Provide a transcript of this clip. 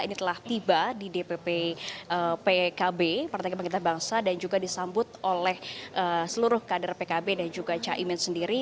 ini telah tiba di dpp pkb partai kebangkitan bangsa dan juga disambut oleh seluruh kader pkb dan juga caimin sendiri